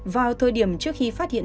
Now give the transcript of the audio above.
vào thời điểm trước khi phát hiện